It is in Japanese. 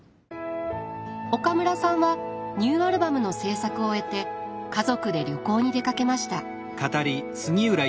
岡村さんはニューアルバムの制作を終えて家族で旅行に出かけました。